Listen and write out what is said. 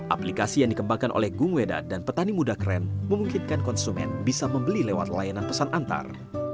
aplikasi yang dikembangkan oleh gung wedat dan petani muda keren memungkinkan konsumen bisa membeli lewat layanan pesan antar